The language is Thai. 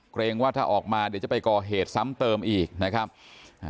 เกรงว่าถ้าออกมาเดี๋ยวจะไปก่อเหตุซ้ำเติมอีกนะครับอ่า